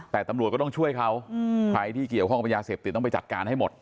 แต่ตำรวจก็ต้องช่วยเขาใครที่เกี่ยวข้องกับยาเสพติดต้องไปจัดการให้หมด